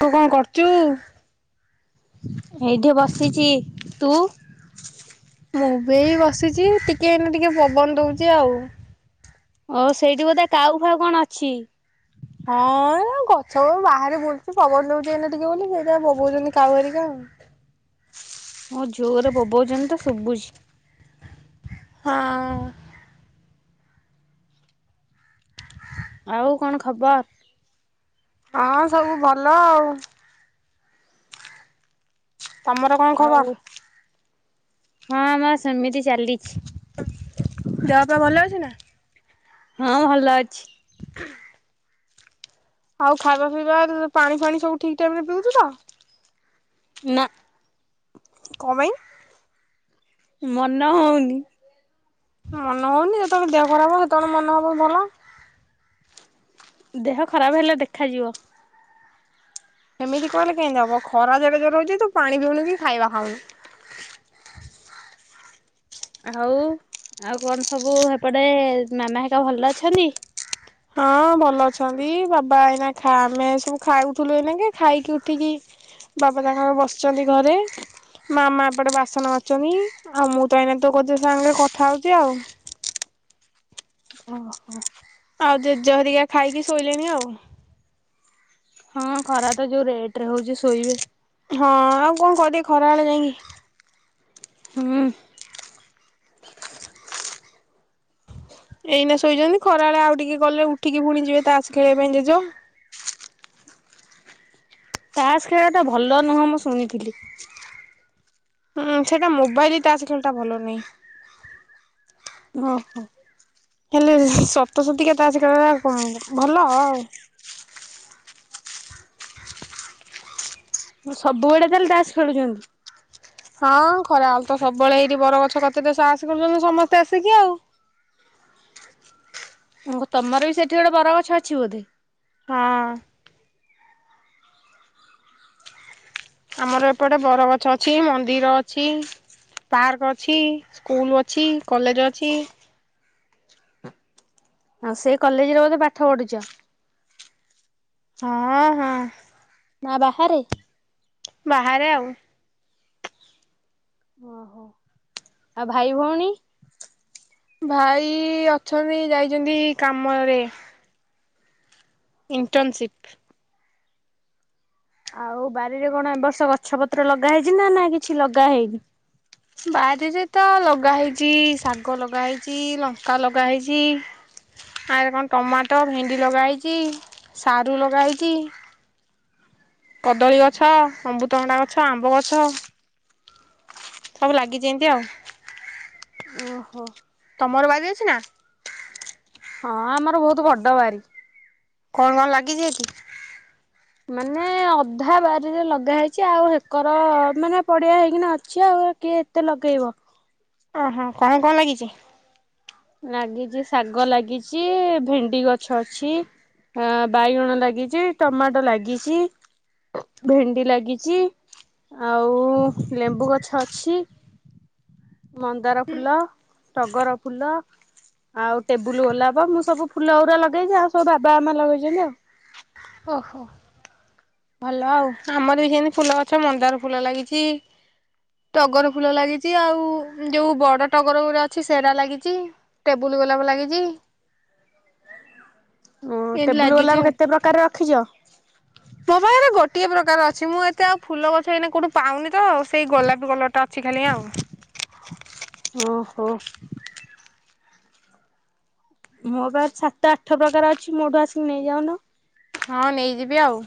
ତୁ କଣ କରୁଛୁ? ଏଇଠି ବସିଛି ତୁ। ମୁଁ ବି ଏଇ ବସିଛି ଟିକେ ଏଇନା ଟିକେ ପବନ ଦଉଛି ଆଉ। ଓ ସେଇଠି ବୋଧେ କାଉ ଫାଉ କଣ ଅଛି। ହଁ ଗଛ ବାହାରେ ବୁଲୁଛି ପବନ ଦଉଛି ଏଇନା ଟିକେ ବୋଲି ସେଇଥିପାଇଁ ବୋବଉଛନ୍ତି କାଉ ହରିକା ଆଉ। ହଁ ଯୋରେ ବୋବଉଛନ୍ତି ତ ଶୁଭୁଛି। ହଁ। ଆଉ କଣ ଖବର? ହଁ ସବୁ ଭଲ ଆଉ। ତମର କଣ ଖବର? ହଁ ବା ସେମିତି। ଦେହ ବେହ ଭଲ ଅଛି ନା। ହଁ ଭଲ ଅଛି। ଆଉ ଖାଇବା ପିଇବା ପାଣି ଫାଣି ସବୁ ଠିକ ଟାଇମରେ ପିଉଛୁ ତ। ନା। କଣ ପାଇଁ? ମନ ହଉନି ମନ ହଉନି ଯେତେବେଳେ ଦେହ ଖରାପ ହେବ ସେତେବେଳେ ମନ ହବ ଭଲ। ଦେହ ଖରାପ ହେଲେ ଦେଖାଯିବ। ଏମିତି କହିଲେ କେମିତି ହବ ଖରା ଯେଡେ ଜୋର ହଉଛି ତୁ ପାଣି ପିଉନୁ କି ଖାଇବା ଖାଉନୁ। ଆଉ ଆଉ କଣ ସବୁ ହେପଟେ ମାମା ହେଟା ଭଲ ଅଛନ୍ତି? ହଁ ଭଲ ଅଛନ୍ତି ବାବା ଏଇନା ଖା ଆମେ ସବୁ ଖାଉଥିଲୁ ଏଇନାକେ ଖାଇକି ଉଠିକି ବାବା ତାଙ୍କ ବସିଛନ୍ତି ଘରେ ମାମା ଏପଟେ ବାସନ ମାଞ୍ଜୁଛନ୍ତି ଆଉ ମୁଁ ତ ଏଇନା ତୋ କେ ସାଙ୍ଗରେ କଥା ହଉଛି ଆଉ। ଆଉ ଜେଜେ ଧରିକା ଖାଇକି ଶୋଇଲେଣି ଆଉ। ହଁ ଖରା ତ ଯୋଉ ରେଟ ରେ ହଉଛି ଶୋଇବେ ହଁ ଆଉ କଣ କରିବେ ଖରା ବେଳେ ଯାଇକି। ହଁ ଏଇନା ଶୋଇଛନ୍ତି ଖରାବେଳେ ଆଉ ଟିକେ ଗଲେ ଉଠିକି ପୁଣି ଯିବେ ତାସ ଖେଳିବା ପାଇଁ ଜେଜ। ତାସ୍ ଖେଳ ଟା ଭଲ ନୁହଁ ମୁଁ ଶୁଣିଥିଲି। ହୁଁ ସେଟା ମୋବାଇଲରେ ତାସ ଖେଳିବା ଟା ଭଲ ନୁହେଁ। ଓହୋ ହେଲେ ସତ ସତୀକା ତାସ ଖେଳିବା କଣ ଭଲ ଆଉ। ସବୁବେଳେ ତାହେଲେ ତାସ ଖେଳୁଛନ୍ତି। ହଁ ଖରା ହେଲେ ରେ ସବୁବେଳେ ଏଇଠି ବରଗଛ କେତେ ଦ ତାସ ଖେଳୁଛନ୍ତି ସମସ୍ତେ ଆସିକି ଆଉ। ତମର ବି ସେଠି ଗୋଟେ ବର ଗଛ ଅଛି ବୋଧେ। ହଁ ଆମର ଏପଟେ ବରଗଛ ଅଛି ମନ୍ଦିର ଅଛି ପାର୍କ ଅଛି ସ୍କୁଲ ଅଛି କଲେଜ ଅଛି। ଆଉ ସେ କଲେଜରେ ବୋଧେ ପାଠ ପଢୁଛ? ହଁ ହଁ ନା ବାହାରେ ବାହାରେ ଆଉ ଓହୋ ଆଉ ଭାଇ ଭଉଣୀ? ଭାଇ ଅଛନ୍ତି ଯାଇଛନ୍ତି କାମରେ ଇଣ୍ଟର୍ନସିପ ଆଉ ବାରିରେ କଣ ଏବ ବର୍ଷ ଗଛ ପତ୍ର ଲଗା ହେଇଛି ନା ନା କିଛି ଲଗା ହେଇନି। ବାରିରେ ତ ଲଗାହେଇଛି ଶାଗ ଲଗାହେଇଛି ଲଙ୍କା ଲଗାହେଇଛି ଆରେ କଣ ଟମାଟୋ ଭେଣ୍ଡି ଲଗାହେଇଛି ସାରୁ ଲଗାହେଇଛି କଦଳୀ ଗଛ ଅମୃତଭଣ୍ଡା ଗଛ ଆମ୍ବ ଗଛ। ସବୁ ଲାଗିଛନ୍ତି ଆଉ। ଓହୋ। ତମର ବାରି ଅଛି ନା? ହଁ ଆମର ବହୁତ ଵଡ ବାରି। କଣ କଣ ଲାଗିଛି ଏଠି କି? ମାନେ ଅଧା ବାରିରେ ଲଗା ହେଇଛି ଆଉ ହେକର ମାନେ ପଡିଆ ହେଇକିନା ଅଛି ଆଉ କିଏ ଏତେ ଲଗେଇବ। ଓହୋ କଣ କଣ ଲାଗିଛି। ଲାଗିଛି ଶାଗ ଲାଗିଛି ଭେଣ୍ଡି ଗଛ ଅଛି ଆ ବାଇଗଣ ଲାଗିଛି ଟମାଟୋ ଲାଗିଛି ଭେଣ୍ଡି ଲାଗିଛି ଆଉ ଲେମ୍ବୁ ଗଛ ଅଛି। ମନ୍ଦାର ଫୁଲ ଟଗର ଫୁଲ ଆଉ ଟେବୁଲ ଗୋଲାପ ମୁଁ ସବୁ ଫୁଲ ଗୁରା ଲଗେଇଛି ଆଉ ସବୁ ବାବା ଆମ ଲଗେଇଛନ୍ତି ଆଉ। ଓହୋ ଭଲ ଆଉ ଆମର ବି ଯେମିତି ଫୁଲ ଗଛ ମନ୍ଦାର ଫୁଲ ଲାଗିଛି ଟଗର ଫୁଲ ଲାଗିଛି ଆଉ ଯୋଉ ବଡ ଟଗର ଗୋଡା ଅଛି ସେରାା ଲାଗିଛି ଟେବୁଲ ଗୋଲାପ ଲାଗିଛି। ଉଁ ଟେବୁଲ ଗୋଲାପ କେତେ ପ୍ରକାର ରଖିଚ। ମୋ ପାଖରେ ଗୋଟିଏ ପ୍ରକାର ଅଛି ମୁଁ ଏତେ ଆଉ ଫୁଲ ଗଛ ଏଇନ କୋଉଠୁ ପାଉନି ତ ସେଇ ଗୋଲାପୀ କଲର ଟା ଅଛି ଖାଲି ଆଉ। ମୋ ପା ସାତ ଆଠ ପ୍ରକାର ଅଛି ମୋ ଠୁ ଆସିକି ନେଇଯାଉନ। ହଁ ନେଇଯିବି ଆଉ।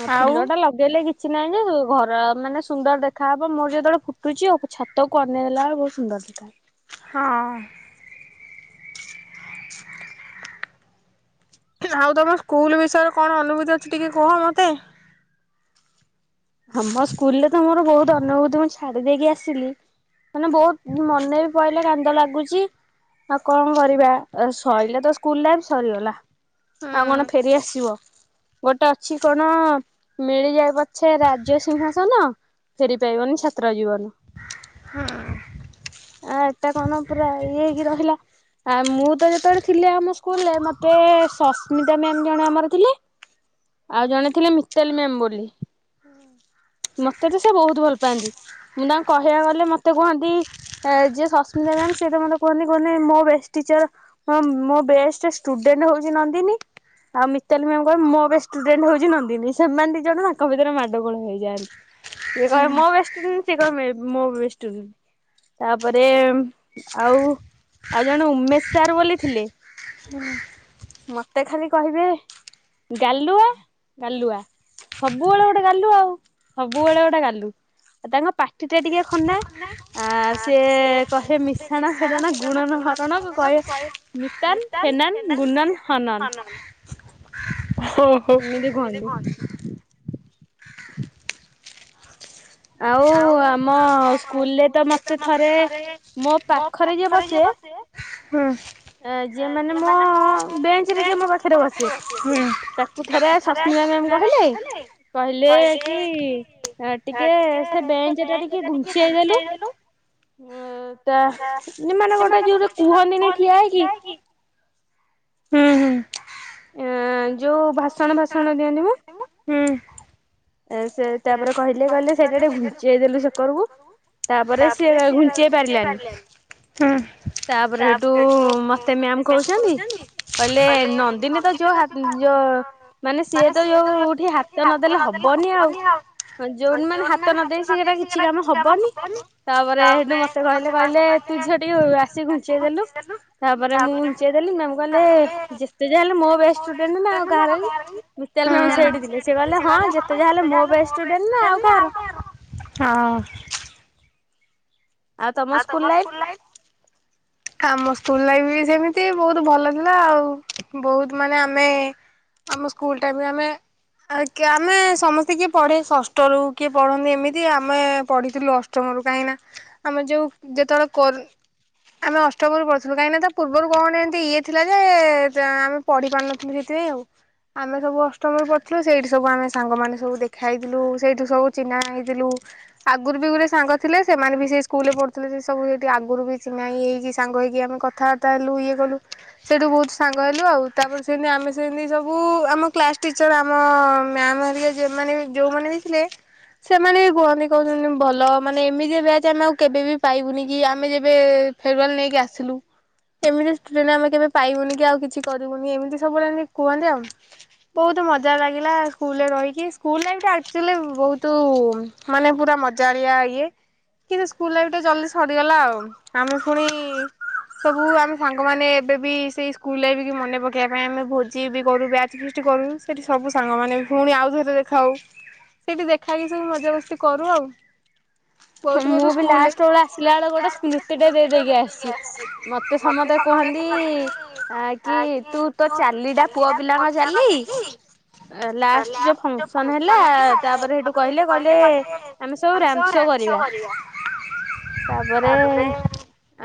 ହଁ ଫୁଲ ଟା ଲଗେଇଲେ ହଁ କିଛି ନାହିଁ ଯେ ଘର ମାନେ ସୁନ୍ଦର ଦେଖାହେବ ମୋର ଯେତେବେଳେ ଫୁଟୁଛି ଛାତକୁ ଅନେଇ ଦେଲାବେେଳେ ବହୁତ ସୁନ୍ଦର ଦେଖାହେବ ହଁ ଆଉ ତମ ସ୍କୁଲ ବିଷୟରେ କଣ ଅନୁଭୂତି ଅଛି ଟିକେ କୁହ ମତେ ହଁ ମୋ ସ୍କୁଲ ରେ ତ ମୋର ବହୁତ ଅନୁଭୂତି ମୁଁ ଛାଡି ଦେଇକି ଆସିଲି ମାନେ ବହୁତ ମନେ ବି ପଡିଲେ କାନ୍ଦ ଲାଗୁଛି ଆଉ କଣ କରିବା ସରିଲା ତ ସ୍କୁଲ ଏବେ ସରିଗଲା। ଆଉ କଣ ଫେରି ଆସିବ ଗୋଟେ ଅଛି କଣ ମିଳିଯାଏ ପଛେ ସେ ରାଜ୍ୟ ସିଂହାସନ ଫେରି ପାଇବନି ଛାତ୍ର ଜୀବନ ଆ ଏଟା କଣ ପୁରା ଇଏ ହେଇକି ରହିଲା। ଆ ମୁଁ ତ ଯେତେବେଳେ ଥିଲି ଆମ ସ୍କୁଲରେ ମତେ ସସ୍ମିତା ମ୍ୟାାମ ଜଣେ ଆମର ଥିଲେ ଆଉ ଜଣେ ଥିଲେ ମିତାଲି ମ୍ୟାାମ ବୋଲି ମତେ ତ ସେ ବହୁତ ଭଲ ପାଆନ୍ତି ମୁଁ ତାଙ୍କୁ କହିବାକୁ ଗଲେ ମତେ କୁହନ୍ତି ଯିଏ ସସ୍ମିତା ମ୍ୟାାମ ସେ ତ ମତେ କୁହନ୍ତି କୁହ ମୋ ବ ଟିଚର ମୋ ବେଷ୍ଟ ଷ୍ଟୁଡେଣ୍ଟ ହଉଛି ନନ୍ଦିନୀ ଆଉ ମିତାଲି ମ୍ୟାାମ କହିଲେ ମୋ ବି ବେଷ୍ଟ ଷ୍ଟୁଡେଣ୍ଟ ହଉଛି ନନ୍ଦିନୀ ସେମାନେ ଦି ଜଣ ତାଙ୍କ ଭିତରେ ଗଣ୍ଡଗୋଳ ହେଇଯାଆନ୍ତି। ଇଏ କହିବେ ମୋ ସ୍ତ୍ରୀ ସେ କହିବେ ମୋ ବେଷ୍ଟ ଷ୍ଟୁଡେଣ୍ଟ ତାପରେ ଆଉ ଆଉ ଜଣେ ଉମେଶ ସାର ବୋଲି ଥିଲେ ମୋତେ ଖାଲି କହିବେ ଗାଲୁଆ ଗାଲୁଆ ସବୁବେଳେ ଗୋଟେ ଗାଲୁ ଆଉ ସବୁବେଳେ ଗୋଟେ ଗାଲୁ ତାଙ୍କ ପାଟିଟା ଟିକେ ଖନା ଆ ସେ କହନ୍ତି ମିଶାଣ ଫେଡାଣ ଗୁଣନ ହରଣ ମୁଁ କହେ ମିଶାନ ଫେଡାନ ଗୁଣନ ହରନ ଏ ହେ ଏମିତି କହନ୍ତି। ଆଉ ଆମ ସ୍କୁଲରେ ତ ମୋତେ ଥରେ ମୋ ପାଖରେ ଯିଏ ବସେ ଯିଏ ମାନେ ମ ତାକୁ ଥରେ ସସ୍ମିତା ମାମ କହିଲେ କହିଲେ କି? ସେ ବେଞ୍ଚ ଟା ଟିକେ ଘୁଞ୍ଚିଇଦେଲୁ ତା ମାନେ ଗୋଟେ ଯୋଉଟା କୁହନ୍ତିନି ଠିଆ ହେଇକି? ହୁଁ ହୁଁ ଆ ଯୋଉ ଭାଷଣ ଫାସଣ ଦିଅନ୍ତି ମ ହୁଁ ସେ ତାପରେ କହିଲେ କହିଲେ ସେଇଟା ଟିକେ ଘୁଞ୍ଚେଇ ଦେଲୁ ସେକରକୁ ତାପରେ ସିଏ ଘୁଞ୍ଚେଇ ପାରିଲାନି ତାପରେ ସେଇଠୁ ମୋତେ ମ୍ୟାମ କହୁଛନ୍ତି କହିଲେ ନନ୍ଦିନୀ ତ ଯୋଉ ଯଉ ମାନେ ସିଏ ତ ଯୋଉଠି ହାତ ନଦେଲେ ହବ ଆଉ ଯୋଉଠି ମାନେ ହାତ ନ ଦେଇେଇ ସେ ସେଟା କିଛି କାମ ହବନି ତାପରେ ସେଠୁ ମତେ କହିଲେ କହିଲେ ତୁ ଝିଅ ଟିକେ ଆସିକି ଘୁଞ୍ଚେଇ ଦେଲୁ ତାପରେ ମୁଁ ଘୁଞ୍ଚେଇ ଦେଲି ମ୍ୟାମ କହିଲେ ଯେତେ ଯାହା ହେଲେ ମୋ ବେଷ୍ଟ ଷ୍ଟୁଡେଣ୍ଟ ନା ଆଉ କାହାର କି ମିତାଲ ମାମ ସେଇଠି ଥିଲେ ସେ କହିଲେ ହଁ ଯେତେ ଯାହା ହେଲେ ସେ ଯା ହେଲେ ମୋ ବେଷ୍ଟ ଷ୍ଟୁଡେଣ୍ଟ ନା ଆଉ କାହାର ଆଉ ତମ ସ୍କୁଲ ଲାଇଫ ଆମ ସ୍କୁଲ ଲାଇଫ ସେମିତି ବହୁତ ଭଲ ଥିଲା ଆଉ ବହୁତ ମାନେ ଆମେ ଆମ ସ୍କୁଲ ଟା ବି ଆମେ ଆମେ ସମସ୍ତେ କିଏ ପଢେ ଷଷ୍ଠରୁ କିଏ ପଢନ୍ତି ଏମିତି ଆମେ ପଢିଥିଲୁ ଅଷ୍ଟମରୁ କାହିଁକି ନା? ଆମେ ଯୋଉ ଯେତେବେଳେ ଆମେ ଅଷ୍ଟମରୁ ପଢୁଥିଲୁ କାହିଁକି ତା ପୂର୍ବରୁ କଣ ଏମତି ଇଏ ଥିଲା ଯେ ଆମେ ପଢି ପାରୁନଥିଲୁ ସେଥିପାଇଁ ଆଉ ଆମେ ସବୁ ଅଷ୍ଟମରୁ ପଢଥିଲୁ ସେଇଠି ସବୁ ଆମେ ସାଙ୍ଗ ମାନ ସବୁ ଦେଖା ହେଇଥିଲୁ ସେଇଠୁ ସବୁ ଚିହ୍ନା ହେଇଥିଲୁ ଆଗରୁ ବି ଗୋଟେ ସାଙ୍ଗ ଥିଲେ ସେମାନେ ବି ସେ ସ୍କୁଲରେ ପଢ଼ୁଥିଲେ ସେ ସବୁ ସେଠି ଆଗରୁ ବି ଚିନା ଇଏ ହେଇକି ସାଙ୍ଗ ହେଇକି ଆମେ କଥାବାର୍ତ୍ ହେଲୁ ଇଏ କଲୁ ସେଇଠୁ ବହୁତ ସାଙ୍ଗ ହେଲୁ ଆଉ ତାପରେ ସେମିତି ଆମେ ସେମିତି ସବୁ ଆମ କ୍ଲାସ ଟିଚର ଆମ ମ୍ୟାାମ ହେରିକମାନେ ଯୋଉମାନେ ବି ଥିଲେ ସେମାନେ ବି କୁହନ୍ତି କହୁଛନ୍ତି ଭଲ ମାନେ ଏମିତି ବ୍ୟାଜ ଆମେ ଆଉ କେବେ ବି ପାଇବୁନି କି ଆମେ ଯେବେ ଫେରୱାଲ୍ ନେଇକି ଆସିଲୁ କେମିତି ଷ୍ଟୁଡେଣ୍ଟ ଆମେ କେବେ ପାଇବୁନି କି ଆଉ କିଛି କରିବୁନି ଏମିତି ସବୁବେଳେ କୁହନ୍ତି ଆଉ ବହୁତ ମଜା ଲାଗିଲା ସ୍କୁଲରେ ରହିକି ସ୍କୁଲ ଲାଇଫଟା ଆକ୍ଚୁଆଲି ବହୁତ ମାନେ ପୁରା ମଜାଳିଆ ଇଏ କିନ୍ତୁ ସ୍କୁଲ ଲାଇଫ ଟା ଜଲ୍ଦି ସରିଗଲା ଆଉ ଆମେ ପୁଣି ସବୁ ଆମେ ସାଙ୍ଗମାନେ ଏବେ ବି ସେଇ ସ୍କୁଲ ଲାଇଫ ମନେ ପକେଇବା ପାଇଁ ଆମେ ଭୋଜି ବି କରୁ ବ୍ୟାଜ ଫିଚ କରୁ ସେଇଠି ସବୁ ସାଙ୍ଗମାନେ ପୁଣି ଆଉଥରେ ଦେଖାଉ ସେଇଠି ଦେଖାକି ସେଇ ମଜାାମସ୍ତି କରୁ ଆଉ ବହୁତ ଗୋଟ ଲାଷ୍ଟ ବେଳ ଆସିଲା ବେଳ ଗୋଟେ ସ୍ମୃତିଟେ ଦେଇଦେଇକି ଆସିଛି ମତେ ସମସ୍ତେ କୁହନ୍ତି କି ତୁ ତୋ ଚାଲିଟା ପୁଅ ପିଲାଙ୍କ ଚାଲି ଲାଷ୍ଟ ଯୋଉ ଫଙ୍କସନ ହେଲା ତାପରେ ସେଇଠୁ କହିଲେ କହିଲେ ଆମେ ସବୁ ରାମସୋ କରିବା ତାପରେ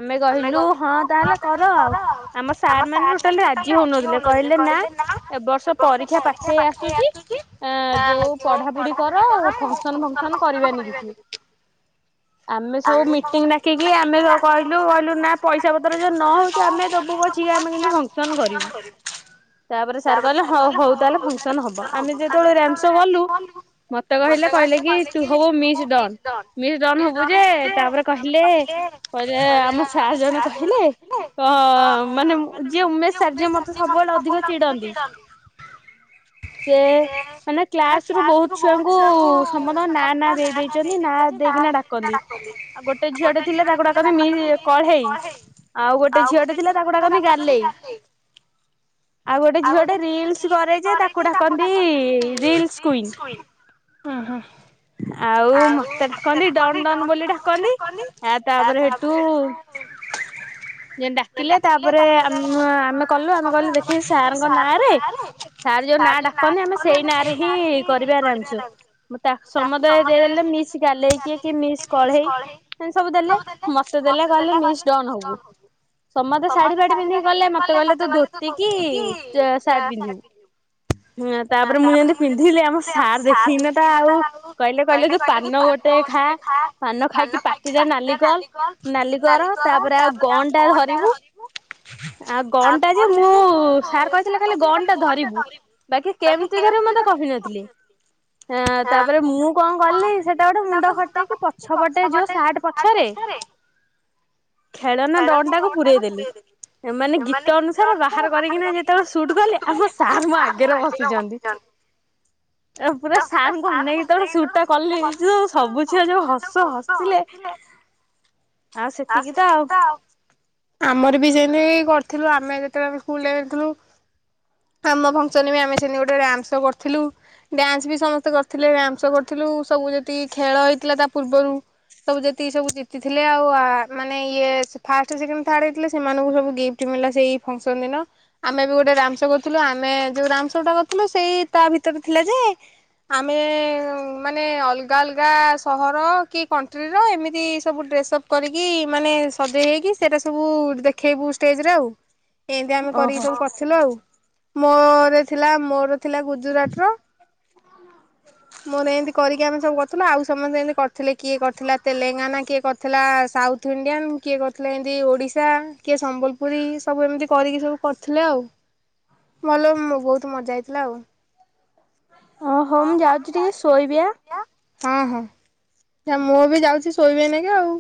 ଆମେ କହିଲୁ ହଁ ତାହେଲେ କର ଆଉ ଆମ ସାର୍ ମାନେ ଟୋଟାଲି ରାଜି ହଉନଥିଲେ କହିଲେ ନା ଏବ ବର୍ଷ ପରୀକ୍ଷା ପାଖେଇ ଆସୁଛି ଆ ଯୋଉ ପଢାପଢି କର ଫଙ୍କସନ ଫଙ୍କସନ କରିବାନି କିଛି ଆମେ ସବୁ ମିଟିଂ ଡାକିକି ଆମେ କହିଲୁ କହିଲୁ ନା ପଇସା ପତ୍ର ଯ ନହଉଛି ଆମେ ଦବୁ ପଛି ଆମେ କିନ୍ତ ଫଙ୍କସନ କରିବୁ ତାପରେ ସାର୍ କହିଲେ ହଉ ତାହେଲେ ଫଙ୍କସନ ହବ ଆମେ ଯେତେବେଳେ ରାମସୋ ବଲୁ ମତେ କହିଲେ କହିଲେ କିବ ମି ଡ ମିସ୍ ଡନ ହବୁ ଯେ ତାପରେ କହିଲେ କହିଲେ ଆମ ସାର୍ ଜଣେ କହିଲେ ମାନେ ଯିଏ ଉମେଶ ସାର୍ ଯ ମତେ ସବୁବେଳେ ଅଧିକ ଚିଡନ୍ତି ସେ ମାନେ କ୍ଲାସ ରୁ ବହୁତ ଛୁଆଙ୍କୁ ସମସ୍ତଙ୍କ ନା ନା ଦେଇ ଦେଇଛନ୍ତି ନା। କିନା ାଉ ଗୋଟେ ଝିଅଟେ ଥିଲେ ତାକୁ ଡା କଢେଇ ଆଉ ଗୋଟେ ଝିଅଟେ ଥିଲେ ତାକୁ ଡାକ ଗାେଇ ଆଉ ଗୋଟେ ଝିଅଟେ ର କରେ ଯେ ତାକୁ ଡାକ ର ଆଉ ମତେ ଡାକନ୍ତି ଡନ ଡନ ବୋଲି ଡାକନ୍ତି ଆଉ ତାପରେ ସେଠୁ ଯେ ଡାକିଲେ ତାପରେ ଆମେ କଲୁ ଆମେ କହିଲୁ ଦେଖ ସାର୍ଙ୍କ ନାଁରେ ସାର୍ ଯୋଉ ନାଁ ଡାକନ୍ତି ଆମେ ସେଇ ନାଁରେ ହିଁ କରିବାରେ ଆମଛୁ ମୁଁ ତା ସମୁଦାୟ ଦେ ମିଶିକି ଚାଲେଇକି କି ମିସ୍ କଢେଇ ଏତି ସବୁ ଦେଲେ ମତେ ଦେଲେ କହିଲେ ମିସ୍ ଡନ ହବୁ ସମସ୍ତେ ଶାଢୀ ଫାଢ ପିନ୍ଧିକି କଲେ ମତେ କହିଲ ତୁ ଧୋତି କିି ସାର୍ଟ ପିନ୍ଧିବୁ ତାପରେ ମୁଁ ଯେମତି ପିନ୍ଧିଲି ଆମ ସାର୍ ଦେଖିନା ଆଉ କହିଲେ କହିଲେ ତ ସ୍ଥାନ ାନ ଗୋଟେ ଖା ପାନ ଖାଇକି ପାଟିଟା ନାଲିିକଲ ନାଲିିକଲ ତାପରେ ଆଉ ଗଣ ଟା ଧରିବୁ ଆଉ ଗ ଟା ଯେ ମୁଁ ସାର୍ କହିଥିଲି ଖାଲି ଗହ ଟା ଧରିବୁ ବାକି କେମିତି ଧରୁ ମତେ କହି ନଥିଲି ତାପ ମୁଁ କଣ କଲି ସେଟା ହଟେ କି ପଛ ପଟେ ଯୋଉ ସାର୍ଟ ପଛରେ ଖେଳନା ଡନ ଟାକୁ ପୁରରେଇ ଦେଲି ମାନେ ଗୀତ ଅନୁସାରେ ବାହାର କରିକିନା ଯେତେବେଳେ ସୁଟ କଲି ଆମ ସାର୍ ମୋ ଆଗରେ ବସିଛନ୍ତି ଆ ପୁର ସ ବନେଇକି ତ ସୁଟ ଟା କଲି ହେଇଛି ଝିଅ ଯୋଉ ହସ ହସିଲେ ଆଉ ସେତିକି ତ ଆଉ କରିଥିଲୁ ଆମେ ଯେତେବେଳେ ଆମେ ସ୍କୁଲଥିଲୁ ଆମ ଫଙ୍କସନ ବି ଆମେ ସେ ଗୋଟେସ କରିଥିଲୁ ଡ୍ୟାନ୍ସ ବି ସମସ୍ତେ କରିଥିଲେସ କରିଥିଲୁ ସବୁ ଯଦି ଖେଳ ହେଇଥିଲା ତା ପୂର୍ବରୁ ସବୁ ଯେତିକି ସବୁ ଜିତିଥିଲେ ଆଉ ମାନେ ଇଏ ଫାଷ୍ଟ ସେକେଣ୍ଡ ଥାର୍ଡ ହେଇଥିଲେ ସେମାନଙ୍କୁ ସବୁ ଗିଫ୍ଟ ମିଳିଲା ସେଇ ଫଙ୍କସନ ଦିନ ଆମେ ବି ଗୋଟେ ରାମସୋ କରୁଥିଲୁ ଆମେ ଯୋଉ ରାମସୋ ଟା କରୁଥିଲୁ ସେଇ ତା ଭିତରେ ଥିଲା ଯେ ଆମେ ମାନେ ଅଲଗ ଅଲଗା ଅଲଗା ସହର କି କଣ୍ଟ୍ରିର ଏମିତି ସବୁ ଡ୍ରେସ ଅପ୍ କରିକି ମାନେ ସଜେଇ ହେଇକି ସେଟା ସବୁ ଦେଖେଇବୁ ଷ୍ଟେଜରେ ଆଉ। ଏମିତି ଆମେ କରିକି ସବୁ କରିଥିଲୁ ଆଉ। ମୋରେ ଥିଲା ମୋର ଥିଲା ଗୁଜୁରାଟ ର ମୋର ଏମିତି କରିକି ଆମେ ସବୁ କରଥିଲା ଆଉ ସମସ୍ତେ ଏମିତି କରିଥିଲେ କିଏ କରିଥିଲା ତେଲେଙ୍ଗାନା କିଏ କରିଥିଲା ସାଉଥ ଇଣ୍ଡିଆନ୍ କିଏ କରିଥିଲା ଏମତି ଓଡିଶା କିଏ ସମ୍ବଲପୁରୀ ସବୁ ଏମିତି କରିକି ସବୁ କରିଥିଲେ ଆଉ ଭଲ ବହୁତ ମଜା ହେଇଥିଲା ଆଉ। ହଁ ହଁ ମୁଁ ଯାଉଥିଲି ଶୋଇବିଆ। ହଁ ହଁ ମୁଁ ବି ଯାଉଛି ଶୋଇବିନକ ଆଉ।